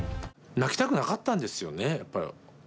泣きたくなかったんですよねやっぱ。